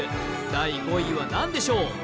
第５位は何でしょう？